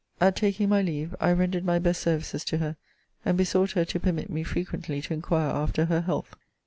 At taking my leave, I tendered my best services to her, and besought her to permit me frequently to inquire after her health.